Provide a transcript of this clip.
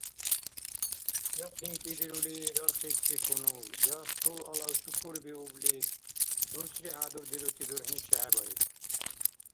Я хинкӀи дирули рархибси хьунул, я, стол-алав чукурбиубли, дурсри хӀядурдирути дурхӀни чехӀебаиб.